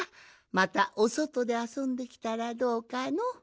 またおそとであそんできたらどうかの？